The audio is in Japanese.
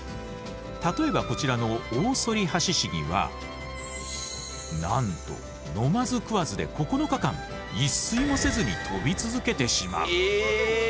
例えばこちらのオオソリハシシギはなんと飲まず食わずで９日間一睡もせずに飛び続けてしまう。